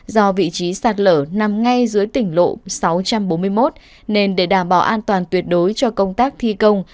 do vị trí sạt lở nằm ngay dưới tỉnh lộ sáu trăm bốn mươi một nên để đảm bảo an toàn tuyệt đối cho công tác thi công